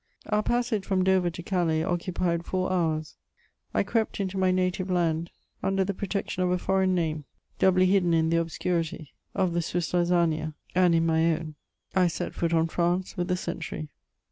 Our passage from Dover to Calais occupied four hours. I crept into my native land under the protection of a foreign name ; doubly hidden in the obscurity of the Swiss Lassagne and in my own, I set foot on France with the century.